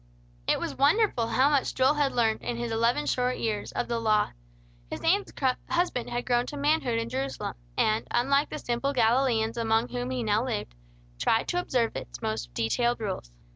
It was wonderful how much Joel had learned, in his eleven short years, of the Law. His aunt's husband had grown to manhood in Jerusalem, and, unlike the simple Galileans among whom he now lived, tried to observe its most detailed rules.